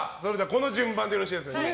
この順番でよろしいですね？